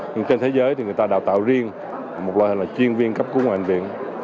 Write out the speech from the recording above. nhưng trên thế giới thì người ta đào tạo riêng một là chuyên viên cấp cứu ngoại viện